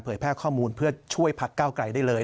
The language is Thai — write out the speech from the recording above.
แพร่ข้อมูลเพื่อช่วยพักเก้าไกลได้เลย